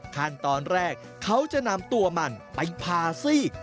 ขั้นตอนแรกเขาจะนำตัวมันไปพาซีก